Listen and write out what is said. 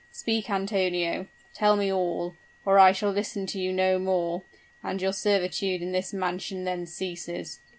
Speak, Antonio tell me all, or I shall listen to you no more, and your servitude in this mansion then ceases."